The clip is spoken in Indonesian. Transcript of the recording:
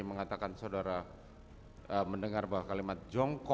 mengatakan saudara mendengar bahwa kalimat jongko